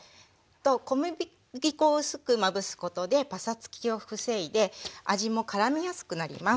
小麦粉を薄くまぶすことでパサつきを防いで味もからみやすくなります。